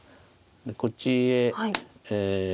こっちへ。